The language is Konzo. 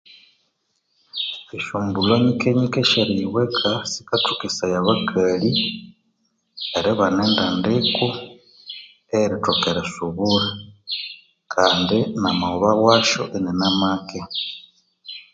Esyombulho nyikenyike esyeriyibweka sikathokesaya abakali eribana endandiko eyerithoka erisubura kandi namaghoba wasyo ininamake.